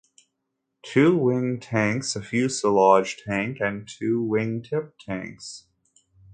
Two wing tanks, a fuselage tank and two wing tip tanks.